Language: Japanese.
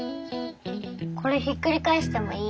これひっくり返してもいい？